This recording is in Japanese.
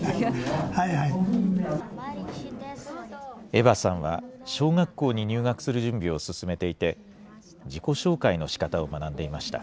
エヴァさんは、小学校に入学する準備を進めていて、自己紹介のしかたを学んでいました。